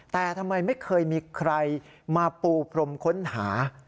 แต่ทำไมไม่เคยมีใครมาปูพรมค้นหา